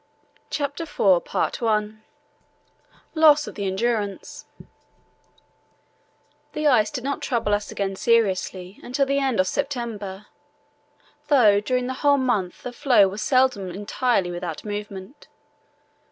CHAPTER IV LOSS OF THE ENDURANCE The ice did not trouble us again seriously until the end of September, though during the whole month the floes were seldom entirely without movement.